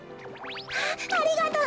あっありがとう！